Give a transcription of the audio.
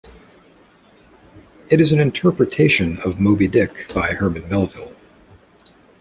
It is an interpretation of "Moby-Dick" by Herman Melville.